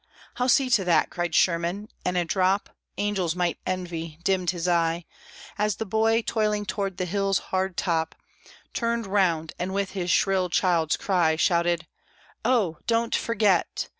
"I'll see to that," cried Sherman; and a drop, Angels might envy, dimmed his eye, As the boy, toiling towards the hill's hard top, Turned round, and with his shrill child's cry Shouted, "Oh, don't forget!